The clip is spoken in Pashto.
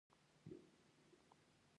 لامل یې دادی چې نثر اسان دی.